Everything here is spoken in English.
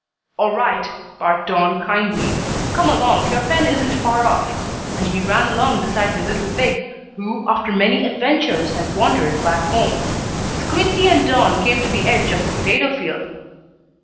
"All right," barked Don, kindly. "Come along. Your pen isn't far off," and he ran along beside the little pig, who, after many adventures had wandered back home. Squinty and Don came to the edge of the potato field.